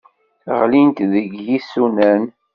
Ɣlint deg yisunan.